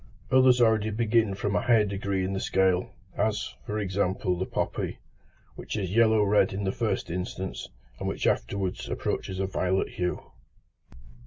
Others already begin from a higher degree in the scale, as, for example, the poppy, which is yellow red in the first instance, and which afterwards approaches a violet hue.